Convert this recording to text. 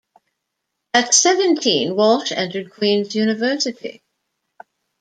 At seventeen, Walsh entered Queen's University.